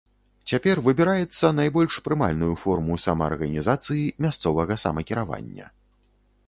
Цяпер выбіраецца найбольш прымальную форму самаарганізацыі, мясцовага самакіравання.